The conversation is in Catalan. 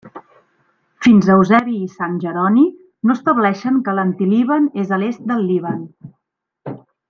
Fins a Eusebi i sant Jeroni no estableixen que l'Antilíban és a l'est del Líban.